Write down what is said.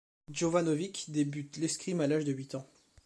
Jovanović débute l'escrime à l'âge de huit ans.